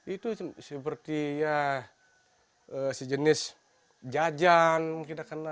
itu seperti ya sejenis jajan kita kena